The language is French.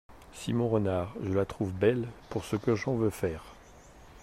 Simon Renard Je la trouve belle pour ce que j’en veux faire.